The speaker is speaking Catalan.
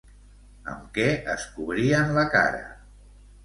Amb què es cobrien la cara?